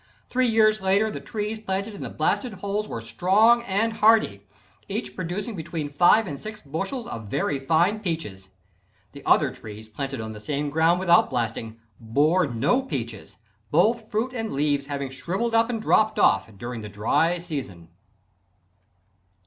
Three years later the trees planted in the blasted holes were strong and healthy, each producing between five and six bushels of very fine peaches. The other trees planted on the same ground without blasting, bore no peaches, both fruit and leaves having shriveled up and dropped off during the dry season.